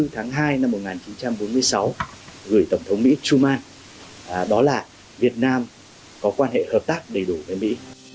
hai mươi tháng hai năm một nghìn chín trăm bốn mươi sáu gửi tổng thống mỹ truman đó là việt nam có quan hệ hợp tác đầy đủ với mỹ